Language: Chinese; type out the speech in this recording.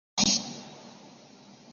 性别比是指族群中雄性的比率。